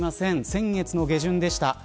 先月の下旬でした。